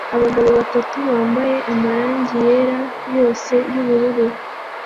Abagabo batatu bambaye amarangi yera yose yubururu